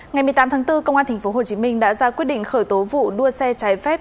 ngày một mươi tám tháng bốn công an tp hồ chí minh đã ra quyết định khởi tố vụ đua xe trái phép